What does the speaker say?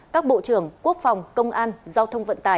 các bộ trưởng quốc phòng công an giao thông vận tải